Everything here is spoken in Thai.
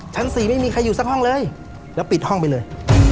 ชั้น๔ไม่มีใครอยู่สักห้องเลยแล้วปิดห้องไปเลย